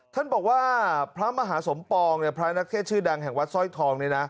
ท่านบอกว่าพระมหาสมปองพระนักเทศชื่อดังแห่งวัดสร้อยทองเนี่ยนะ